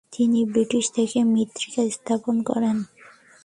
তিনি ব্রিটিশদের সাথে মিত্রতা স্থাপন করেন।